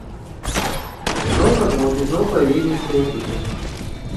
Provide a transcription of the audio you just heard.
Зноў развод, і зноў па яе ініцыятыве.